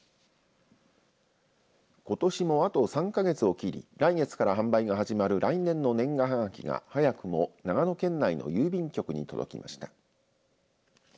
ことしも、あと３か月を切り来月から販売が始まる来年の年賀はがきが早くも長野県内の郵便局に届きました。